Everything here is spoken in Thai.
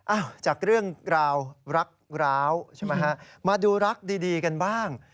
อ้าวจากเรื่องราวรักร้าวใช่ไหมฮะมาดูรักดีกันบ้าง